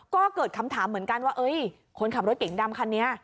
ก็เกิดคำถามเหมือนกันว่าคนขับรถเก๋งดำคันนี้